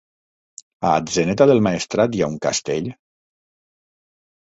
A Atzeneta del Maestrat hi ha un castell?